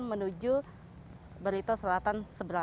menuju barito selatan